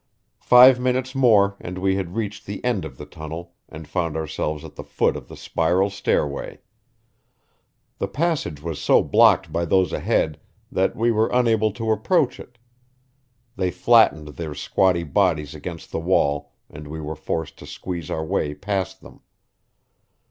Five minutes more and we had reached the end of the tunnel and found ourselves at the foot of the spiral stairway. The passage was so blocked by those ahead that we were unable to approach it; they flattened their squatty bodies against the wall and we were forced to squeeze our way past them.